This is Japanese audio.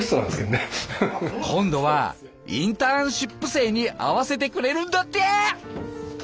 今度はインターンシップ生に会わせてくれるんだって！